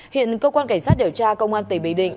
hiện cơ quan cảnh sát điều tra công an tỉnh bình định